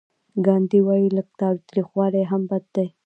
ګاندي وايي لږ تاوتریخوالی هم بد دی.